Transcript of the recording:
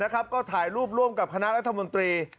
ก็ถ่ายรูปร่วมกับคณะรัฐมนตรี